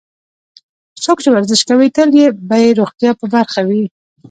څوک چې ورزش کوي، تل به یې روغتیا په برخه وي.